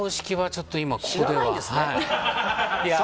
ちょっと今ここでは。